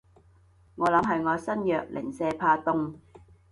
我諗係我身弱，零舍怕凍